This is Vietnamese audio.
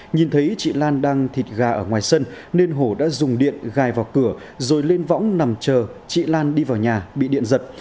nhìn thấy chị lan đang thịt gà ở ngoài sân nên hổ đã dùng điện gài vào cửa rồi lên võng nằm chờ chị lan đi vào nhà bị điện giật